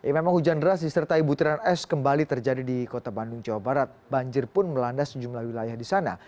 memang hujan deras disertai butiran es kembali terjadi di kota bandung jawa barat banjir pun melanda sejumlah wilayah di sana